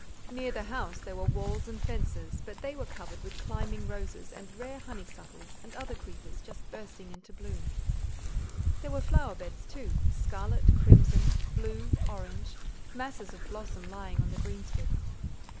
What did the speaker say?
Near the house there were walls and fences; but they were covered with climbing roses, and rare honeysuckles and other creepers just bursting into bloom. There were flower beds, too, scarlet, crimson, blue, orange; masses of blossom lying on the greensward.